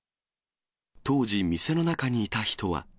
当時、店の中にいた人は。